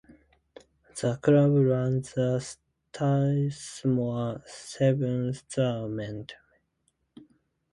The club run the Strathmore Sevens tournament.